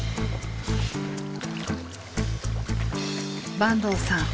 坂東さん